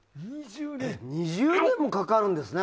２０年もかかるんですね